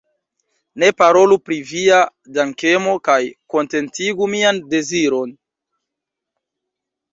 Ne parolu pri via dankemo, kaj kontentigu mian deziron.